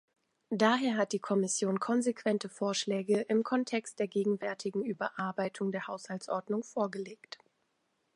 Daher hat die Kommission konsequente Vorschläge im Kontext der gegenwärtigen Überarbeitung der Haushaltsordnung vorgelegt.